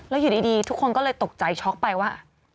แล้วอยู่ดีทุกคนก็เลยตกใจช็อกไปว่า